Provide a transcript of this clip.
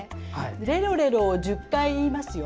レロレロを１０回言いますよ。